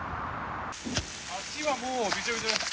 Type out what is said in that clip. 足はもうびちょびちょです。